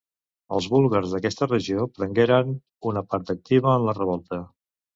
Els búlgars d'aquesta regió prengueren una part activa en la revolta.